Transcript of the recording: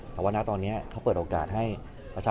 ก็คืองานตอนเนี่ยยังทำได้อยู่แต่ว่า